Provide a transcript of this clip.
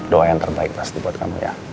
doa yang terbaik pasti buat kamu ya